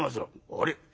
「あれ。